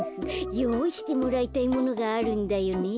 よういしてもらいたいものがあるんだよね。